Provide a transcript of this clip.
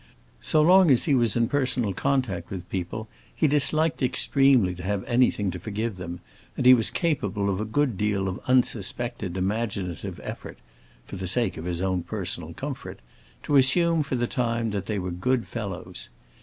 So long as he was in personal contact with people he disliked extremely to have anything to forgive them, and he was capable of a good deal of unsuspected imaginative effort (for the sake of his own personal comfort) to assume for the time that they were good fellows.